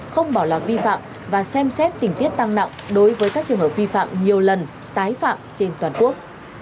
không bỏ lọt vi phạm và xem xét tình tiết tăng nặng đối với các trường hợp vi phạm nhiều lần tái phạm trên toàn quốc